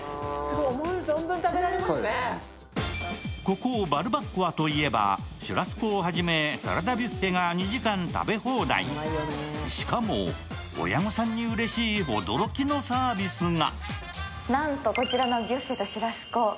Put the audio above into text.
ここ、バルバッコアといえば、シュラスコをはじめサラダビュッフェが２時間食べ放題しかも親御さんにうれしい驚きのサービスが。